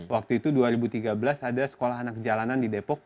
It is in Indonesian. waktu itu dua ribu tiga belas ada sekolah anak jalanan di depok